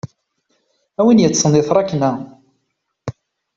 A win yeṭṭsen di tṛakna.